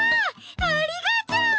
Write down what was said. ありがとう！